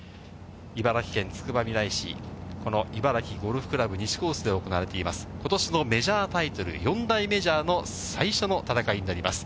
茨城県つくばみらい市、この茨城ゴルフ倶楽部西コースで行われています、ことしのメジャータイトル、４大メジャーの最初の戦いになります。